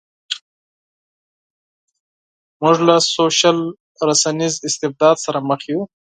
موږ له سوشل رسنیز استبداد سره مخ یو.